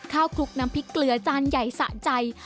คลุกน้ำพริกเกลือจานใหญ่สะใจ